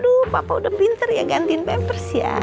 aduh bapak udah pinter ya gantiin pampers ya